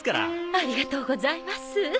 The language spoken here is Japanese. ありがとうございます。